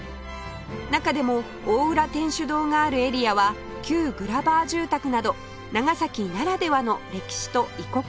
中でも大浦天主堂があるエリアは旧グラバー住宅など長崎ならではの歴史と異国情緒が楽しめます